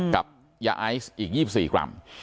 กับยาไอซ์อีก๒๔กรัม